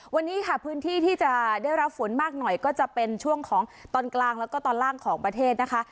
วันนี้ค่ะพื้นที่ที่จะได้รับฝนมากหน่อยก็จะเป็นช่วงของตอนกลางแล้วก็ตอนล่างของประเทศนะคะ